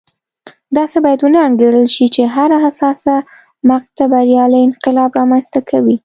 داسې باید ونه انګېرل شي چې هره حساسه مقطعه بریالی انقلاب رامنځته کوي.